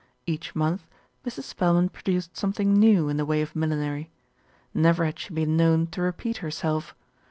Each month Mrs. Spelman produced something new in the way of millinery. Never had she been known to repeat herself.